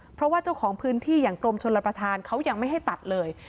เพราะว่าเจ้าของพื้นที่อย่างกรมชนรับประทานเขายังไม่ให้ตัดเลย